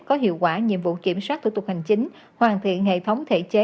có hiệu quả nhiệm vụ kiểm soát thủ tục hành chính hoàn thiện hệ thống thể chế